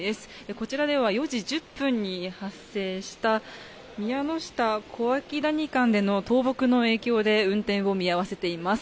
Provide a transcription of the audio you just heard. こちらでは４時１０分に発生した宮ノ下小涌谷間の倒木の影響で運転を見合わせています。